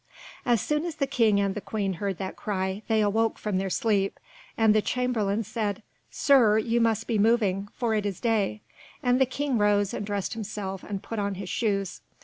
As soon as the King and the Queen heard that cry they awoke from their sleep, and the Chamberlain said, "Sir, you must be moving, for it is day;" and the King rose and dressed himself, and put on his shoes.